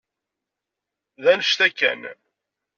D anect-a kan.